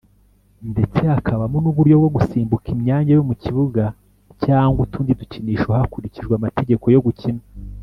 ndetse hakabamo n’ uburyo bwo gusimbuka imyanya yo mu kibuga cyangwa utundi dukinisho hakurikijwe amategeko yo gukina